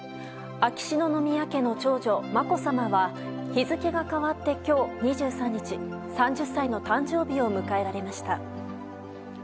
秋篠宮家の長女・まこさまは日付が変わって今日２３日３０歳の誕生日を迎えられました。